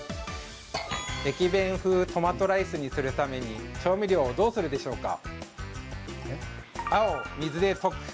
駅弁風トマトライスにするために調味料をどうするでしょうか？